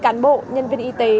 ba mươi cán bộ nhân viên y tế